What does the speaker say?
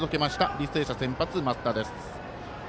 履正社の先発増田です。